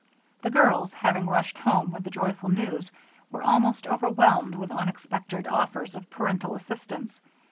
The girls, having rushed home with the joyful news, were almost overwhelmed with unexpected offers of parental assistance.